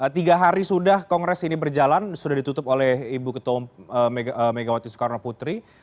tiga hari sudah kongres ini berjalan sudah ditutup oleh ibu ketua megawati soekarno putri